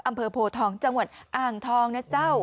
อำเภอโพทองจังหวัดอ่างทองนะเจ้า